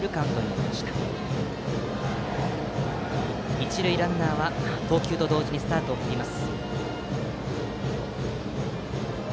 一塁ランナーは投球と同時にスタートを切ります。